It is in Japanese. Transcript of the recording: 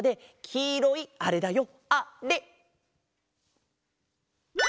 きいろいあれだよ。